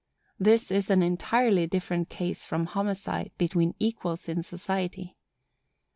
_This is an entirely different case from homicide between equals in society.